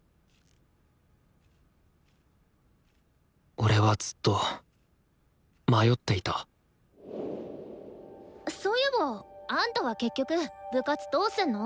俺はずっと迷っていたそういえばあんたは結局部活どうすんの？